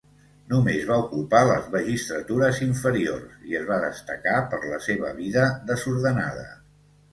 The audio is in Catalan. Només va ocupar les magistratures inferiors i es va destacar per la seva vida desordenada.